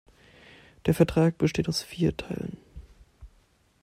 Der Vertrag besteht aus vier Teilen.